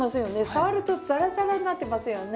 触るとザラザラになってますよね。